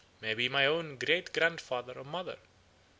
Maybe my own great grandfather or mother!'